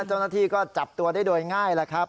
เจ้าหน้าที่ก็จับตัวได้โดยง่ายแล้วครับ